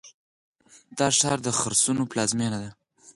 دا ښار د خرسونو پلازمینه ده.